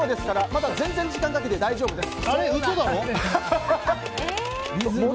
まだ全然時間かけて大丈夫です。